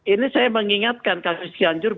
ini saya mengingatkan kasus cianjur